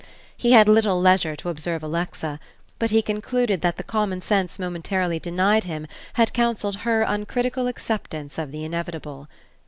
He had little leisure to observe Alexa; but he concluded that the common sense momentarily denied him had counselled her uncritical acceptance of the inevitable.